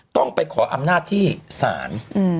ต้องไปขออำนาจที่ศาล